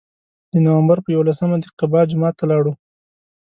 د نوامبر په یولسمه د قبا جومات ته لاړو.